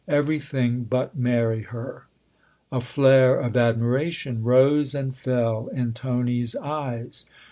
" Every thing but marry her." A flare of admiration rose and fell in Tony's eyes.